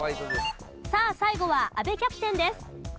さあ最後は阿部キャプテンです。